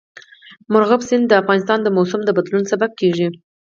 مورغاب سیند د افغانستان د موسم د بدلون سبب کېږي.